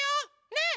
ねえ！